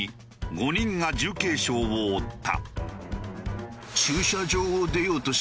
５人が重軽傷を負った。